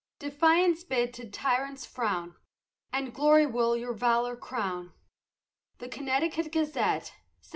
Defiance bid to tyrants' frown, And glory will your valor crown. The Connecticut Gazette, 1776.